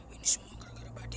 ini semua gara gara badi